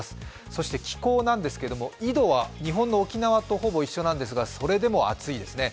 そして気候なんですけれども緯度は日本の沖縄とほぼ一緒なんですが、それでも暑いですね。